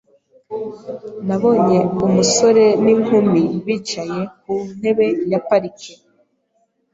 Nabonye umusore n'inkumi bicaye ku ntebe ya parike.